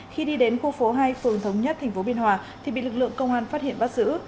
khi đi đến khu phố hai phường thống nhất tp biên hòa thì bị lực lượng công an phát hiện bắt giữ